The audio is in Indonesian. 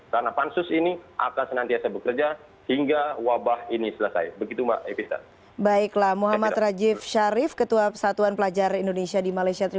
karena pansus ini akan senantiasa bekerja hingga wabah ini selesai